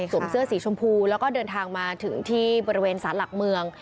เสื้อสีชมพูแล้วก็เดินทางมาถึงที่บริเวณสารหลักเมือง